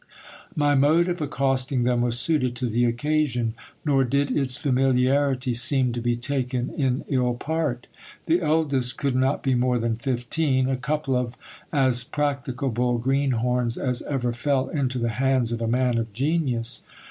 My mode of accosting them was suited to the occasion ; nor did its familiarity seem to be taken in ill part The eldest could not De more than fifteen — a couple of as practicable greenhorns as ever fell into the hands of a man of genius.